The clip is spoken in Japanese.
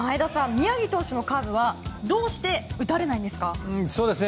宮城投手のカーブはどうして打たれないんですか？